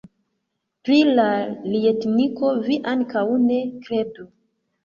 Pri la ljetniko vi ankaŭ ne kredu!